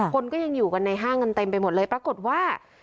คนก็ยังอยู่กันในห้างกันเต็มไปหมดเลยปรากฏว่า